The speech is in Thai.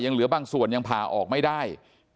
เหลือบางส่วนยังผ่าออกไม่ได้